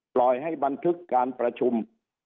ปล่อยให้บันทึกการประชุม